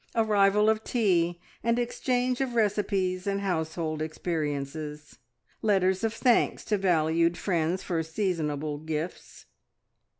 Arrival of tea and exchange of recipes and household experiences. Letters of thanks to valued friends for seasonable gifts.